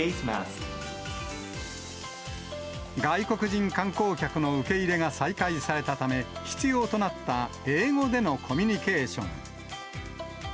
外国人観光客の受け入れが再開されたため、必要となった英語でのコミュニケーション。